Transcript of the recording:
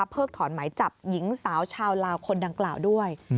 ถอนหมายจับหญิงสาวชาวลาวคนดังกล่าวด้วย